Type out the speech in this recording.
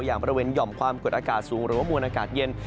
อย่างบริเวณหย่อมความกดอากาศสูงหรือว่ามวลอากาศเย็น